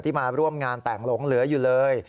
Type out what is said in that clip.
มาร่วมงานแต่งหลงเหลืออยู่เลย